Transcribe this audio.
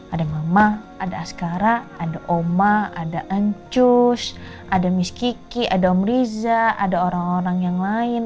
ada mama ada askara ada oma ada ancus ada miskiki ada om riza ada orang orang yang lain